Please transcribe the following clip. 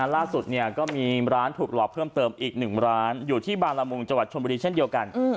ล่าสุดก็มีร้านถูกหลอกเพิ่มเติมอีก๑ร้านอยู่ที่บางละมุงจังหวัดชนบุรีเช่นเดียวกัน